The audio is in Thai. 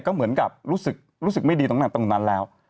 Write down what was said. ก็เหมือนกับรู้สึกไม่ดีตรงนั้นตรงนั้นแล้ว